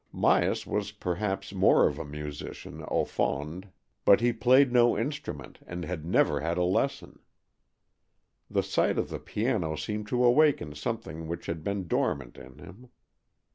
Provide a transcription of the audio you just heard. Myas was per haps more of a musician au fond, but he played no instrument and had never had a lesson. The sight of the piano seemed to awaken something which had been dormant in him.